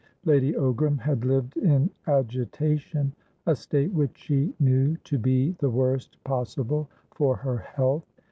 Lady Ogram had lived in agitation, a state which she knew to be the worst possible for her health.